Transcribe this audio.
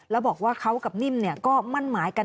แล้วบอกว่าเขากับนิ่มก็มั่นหมายกัน